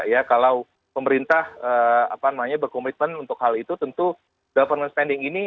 ya kalau pemerintah berkomitmen untuk hal itu tentu government spending ini